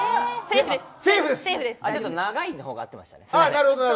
ちょっと長いの方が合ってましたね。